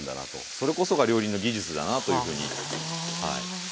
それこそが料理人の技術だなというふうにはい。